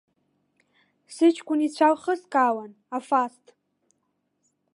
Сыҷкәын ицәа лхыскаауан, афаст.